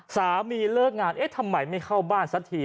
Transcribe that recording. สามีเลิกงานทำไมไม่เข้าบ้านสักที